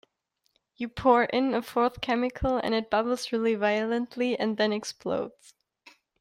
You pour in a fourth chemical, and it bubbles really violently, and then explodes.